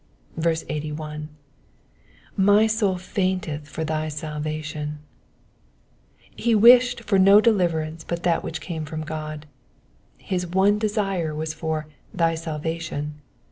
81. ^*'My soul fainteth for thy salvation,'*'^ He wished for no deliverance but that which came from God: his one desire was for thy salvation."